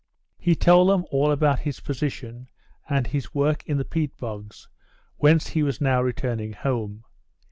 He told them all about his position and his work in the peat bogs, whence he was now returning home.